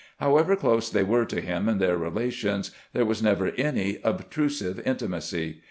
However close they were to him in their relations, there was never any obtrusive intimacy.